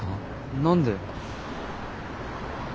何で？